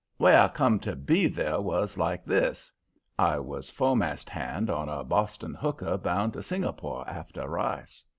"Way I come to be there was like this: I was fo'mast hand on a Boston hooker bound to Singapore after rice.